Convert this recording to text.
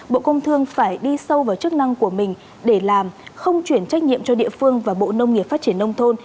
bộ công thương phải đi sâu vào chức năng của mình để làm không chuyển trách nhiệm cho địa phương và bộ nông nghiệp phát triển nông thôn